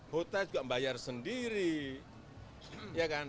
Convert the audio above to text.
hota juga membayar sendiri ya kan